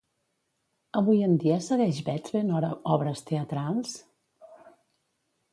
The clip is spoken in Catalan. Avui en dia segueix Beth fent obres teatrals?